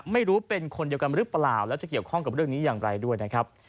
ไม่รู้เป็นคนเดียวกันหรือเปล่าแล้วจะเกี่ยวข้องกับเรื่องนี้อย่างไรด้วยนะครับ